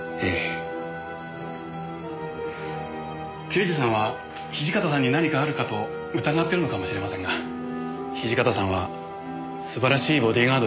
刑事さんは土方さんに何かあるかと疑ってるのかもしれませんが土方さんは素晴らしいボディーガードでしたよ。